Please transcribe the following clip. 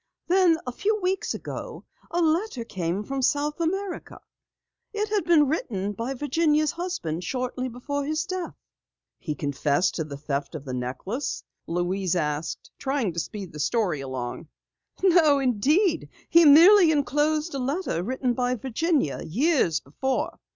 Then, a few weeks ago, a letter came from South America. It had been written by Virginia's husband shortly before his death." "He confessed to the theft of the necklace?" Louise asked, trying to speed the story. "No, indeed. He merely enclosed a letter written by Virginia years before.